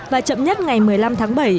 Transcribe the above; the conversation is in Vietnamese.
và chậm nhất ngày một mươi năm tháng bảy